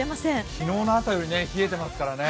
昨日の朝より冷えてますからね